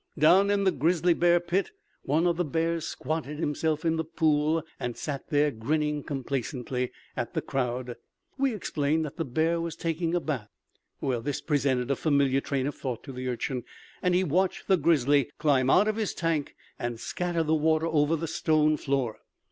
Down in the grizzly bear pit one of the bears squatted himself in the pool and sat there, grinning complacently at the crowd. We explained that the bear was taking a bath. This presented a familiar train of thought to the Urchin and he watched the grizzly climb out of his tank and scatter the water over the stone floor.